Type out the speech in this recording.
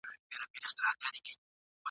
بېله پوښتني ځي جنت ته چي زکات ورکوي !.